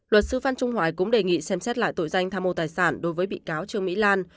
luật sư phan trung hoài cũng đề nghị xem xét lại tội danh tham mô tài sản đối với bị cáo trương mỹ lan